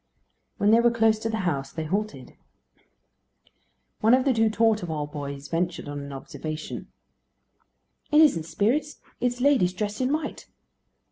When they were close to the house they halted. One of the two Torteval boys ventured on an observation: "It isn't spirits: it is ladies dressed in white."